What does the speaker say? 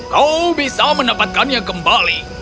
kau bisa mendapatkannya kembali